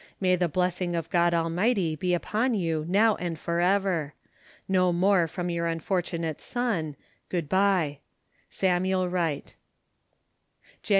May the blessing of God Almighty be upon you now and for ever. No more from your unfortunate son, "Good bye." "SAMUEL WRIGHT." "Jan.